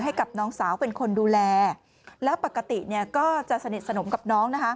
ให้กับน้องสาวเป็นคนดูแลแล้วปกติก็จะสนิทสนมกับน้องนะคะ